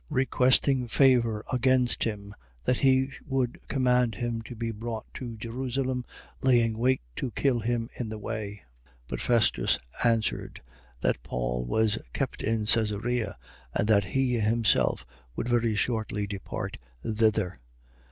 Requesting favour against him, that he would command him to be brought to Jerusalem, laying wait to kill him in the way. 25:4. But Festus answered: That Paul was kept in Caesarea: and that he himself would very shortly depart thither.